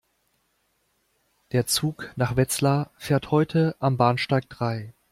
Der Zug nach Wetzlar fährt heute am Bahnsteig drei